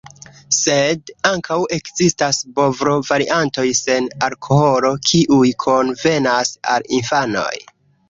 Sed ankaŭ ekzistas bovlo-variantoj sen alkoholo, kiuj konvenas al infanoj.